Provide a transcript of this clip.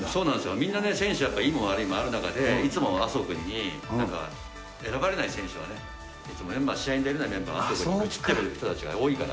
みんなね、選手、いいも悪いもある中で、いつも麻生君に、なんか、選ばれない選手はね、メンバー試合に出れないメンバー、麻生君に愚痴っている人たちが多いから。